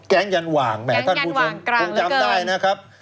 แก๊งยันว่างแหมท่านพูดถึงคุณจำได้นะครับ